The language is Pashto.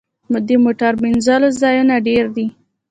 د موټر مینځلو ځایونه ډیر دي؟